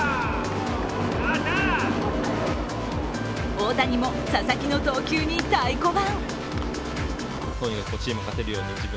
大谷も佐々木の投球に太鼓判。